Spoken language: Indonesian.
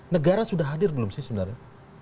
negara sudah hadir belum sih sebenarnya